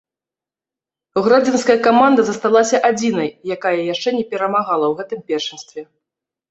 Гродзенская каманда засталася адзінай, якая яшчэ не перамагала ў гэтым першынстве.